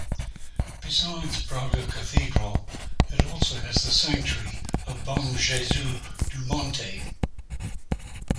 Besides Braga Cathedral, it also has the sanctuary of Bom Jesus do Monte.